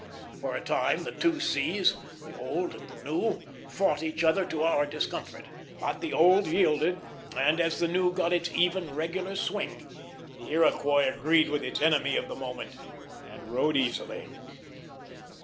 For a time the two seas, the old and the new, fought each other to our discomfort; but the old yielded, and, as the new got its even, regular swing, the Iroquois agreed with its enemy of the moment and rode easily.